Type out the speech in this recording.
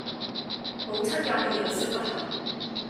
母親也沒有説不行。